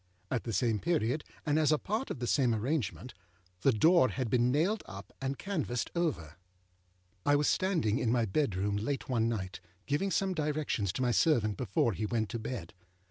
At the same period, and as a part of the same arrangement, âthe door had been nailed up and canvased over. I was standing in my bedroom late one night, giving some directions to my servant before he went to bed.